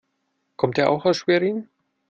Kommt er auch aus Schwerin?